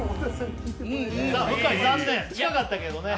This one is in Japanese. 向井、残念、近かったけどね。